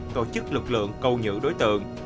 tổ chức lực lượng câu nhữ đối tượng